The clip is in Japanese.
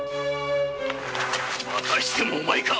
またしてもお前か！